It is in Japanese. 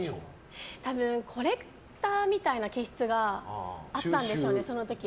コレクターみたいな気質があったんでしょうね、その時。